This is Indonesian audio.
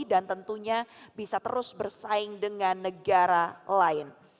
dan tentunya bisa terus bersaing dengan negara lain